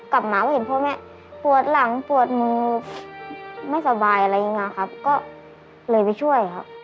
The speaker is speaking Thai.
กลับมาก็เห็นพ่อแม่ปวดหลังปวดมือไม่สบายอะไรอย่างนี้ครับก็เลยไปช่วยครับ